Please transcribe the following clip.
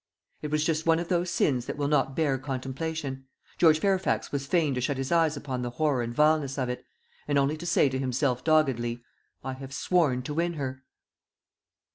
It was just one of those sins that will not bear contemplation. George Fairfax was fain to shut his eyes upon the horror and vileness of it, and only to say to himself doggedly, "I have sworn to win her."